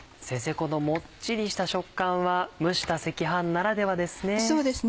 このもっちりした食感は蒸した赤飯ならではですね。